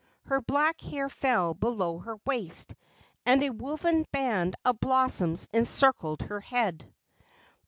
Her black hair fell below her waist, and a woven band of blossoms encircled her head.